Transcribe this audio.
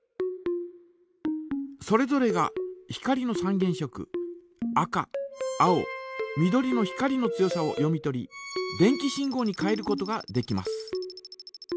それぞれが光の三原色赤青緑の光の強さを読み取り電気信号に変えることができます。